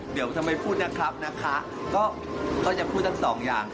เดี๋ยวทำไมพูดนะครับนะคะก็จะพูดทั้งสองอย่าง